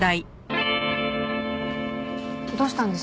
どうしたんです？